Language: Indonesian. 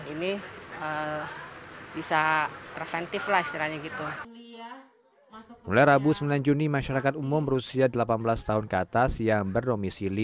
istirahatnya gitu mulai rabu sembilan juni masyarakat umum berusia delapan belas tahun ke atas yang berdomisili